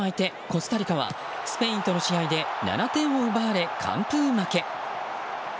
コスタリカはスペインとの試合で７点を奪われ完封負け。